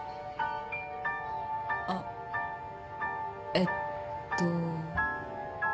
あっえっと。